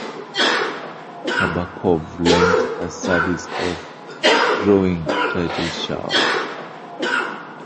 Kabakov lent a series of drawings titled "Shower".